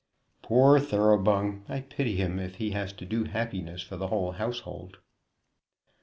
"Poor Thoroughbung! I pity him if he has to do happiness for the whole household."